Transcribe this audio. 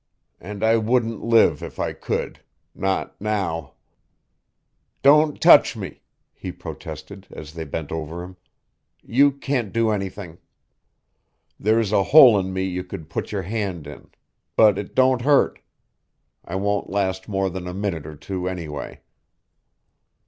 And I wouldn't live if I could. Not now. "Don't touch me," he protested, as they bent over him. "You can't do anything. There's a hole in me you could put your hand in. But it don't hurt. I won't last more than a minute or two, anyway."